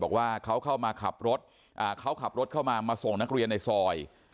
บอกว่าเขาเข้ามาขับรถเขาขับรถเข้ามามาส่งนักเรียนในซอย